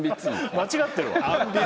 間違ってるわ。